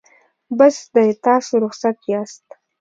بس دی تاسو رخصت یاست.